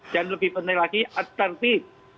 dan lebih penting lagi at tatif